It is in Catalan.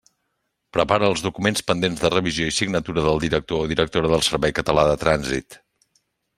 Prepara els documents pendents de revisió i signatura del director o directora del Servei Català de Trànsit.